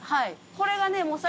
これがね。